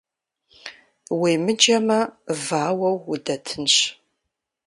Уемыджэмэ, вауэу удэтынщ.